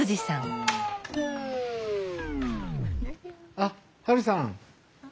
あっハルさん。